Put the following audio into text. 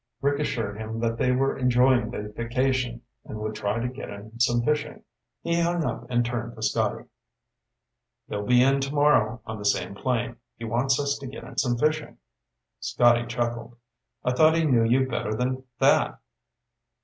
Rick assured him that they were enjoying the vacation and would try to get in some fishing. He hung up and turned to Scotty. "He'll be in tomorrow on the same plane. He wants us to get in some fishing." Scotty chuckled. "I thought he knew you better than that.